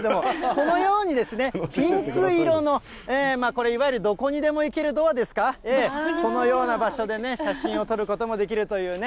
このようにですね、ピンク色のこれ、いわゆるどこにでも行けるドアですか、このような場所でね、写真を撮ることもできるというね。